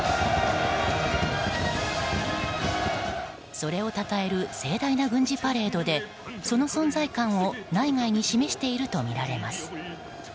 それをたたえる盛大な軍事パレードでその存在感を内外に示しているとみられます。